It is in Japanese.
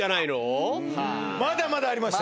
まだまだありました！